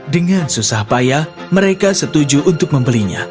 dengan susah payah mereka setuju untuk membelinya